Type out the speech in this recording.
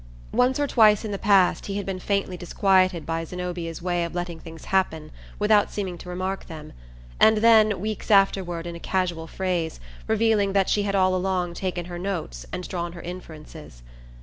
Once or twice in the past he had been faintly disquieted by Zenobia's way of letting things happen without seeming to remark them, and then, weeks afterward, in a casual phrase, revealing that she had all along taken her notes and drawn her inferences.